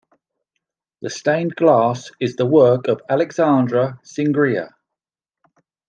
The stained glass is the work of Alexandre Cingria.